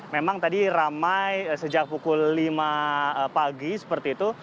memang tadi ramai sejak pukul lima pagi seperti itu